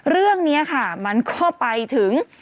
เรื่องนี้ค่ะมันก็ไปถึง